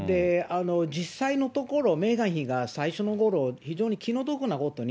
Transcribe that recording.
実際のところ、メーガン妃が最初のころ、非常に気の毒なことに、